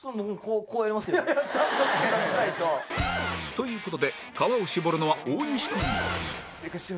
という事で皮を絞るのは大西君